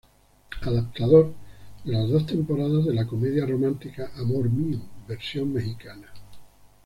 Adaptador de las dos temporadas de la comedia romántica Amor Mío, versión mexicana.